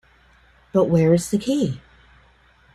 But where is the key?